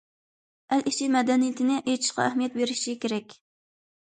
ئەل ئىچى مەدەنىيىتىنى ئېچىشقا ئەھمىيەت بېرىشى كېرەك.